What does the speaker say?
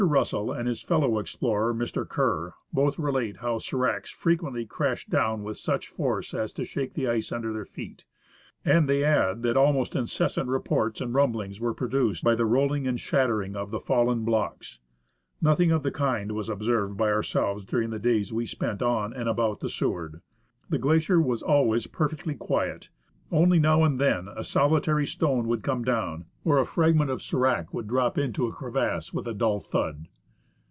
Russell and his fellow explorer, Mr. Kerr, both relate how siracs frequently crashed down with such force as to shake the ice under their feet, and they add that almost incessant reports and rumblings were produced by the rolling and shattering of the fallen blocks. Nothing of the kind was observed by ourselves during the days we spent on and about the Seward. The glacier was always per fectly quiet ; only now and then a solitary stone would come down, or a fragment of sdrac would drop into a crevasse with a dull thud.